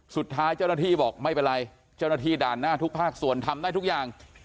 สุดท้ายเจ้าหน้าที่บอกไม่เป็นไรเจ้าหน้าที่ด่านหน้าทุกภาคส่วนทำได้ทุกอย่าง